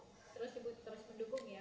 terus mendukung ya